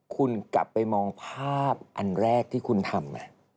คุณกลับไปมองภาพอันแรกที่คุณทำ